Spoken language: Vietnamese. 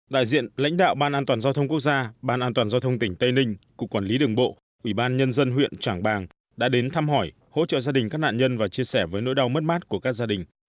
đại diện lãnh đạo ban an toàn giao thông quốc gia ban an toàn giao thông tỉnh tây ninh cục quản lý đường bộ ủy ban nhân dân huyện trảng bàng đã đến thăm hỏi hỗ trợ gia đình các nạn nhân và chia sẻ với nỗi đau mất mát của các gia đình